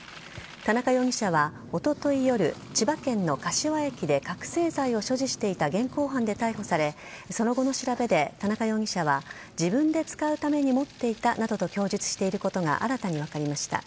田中容疑者はおととい夜千葉県の柏駅で覚醒剤を所持していた現行犯で逮捕されその後の調べで田中容疑者は自分で使うために持っていたなどと供述していることが新たに分かりました。